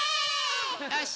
よし！